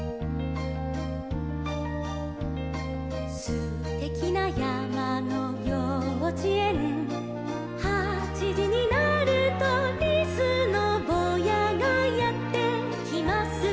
「すてきなやまのようちえん」「はちじになると」「リスのぼうやがやってきます」